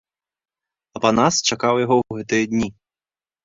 Апанас чакаў яго ў гэтыя дні.